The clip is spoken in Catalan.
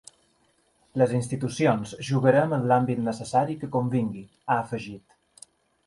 “Les institucions jugarem en l’àmbit necessari que convingui”, ha afegit.